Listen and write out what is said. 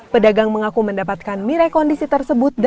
pedagang mengaku mendapatkan mire kondisi tersebut